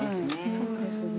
そうですね。